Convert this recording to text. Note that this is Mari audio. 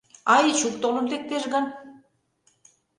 А Эчук толын лектеш гын?